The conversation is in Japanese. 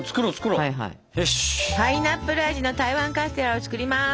パイナップル味の台湾カステラを作ります。